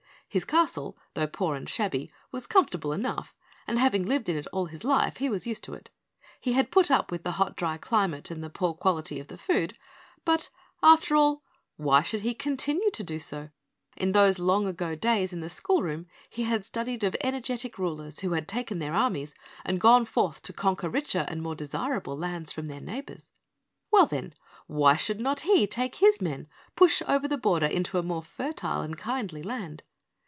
His castle, though poor and shabby, was comfortable enough, and having lived in it all his life, he was used to it. He had put up with the hot dry climate and the poor quality of the food, but after all, why should he continue to do so? In those long ago days in the school room he had studied of energetic rulers who had taken their armies and gone forth to conquer richer and more desirable lands from their neighbors. Well, then, why should not he take his men, push over the border into a more fertile and kindly land?